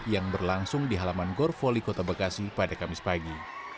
yang berlangsung di halaman gorfoli kota bekasi pada kamis pagi